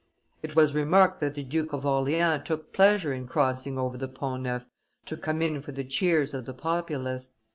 It was remarked that the Duke of Orleans took pleasure in crossing over the Pont Neuf to come in for the cheers of the populace.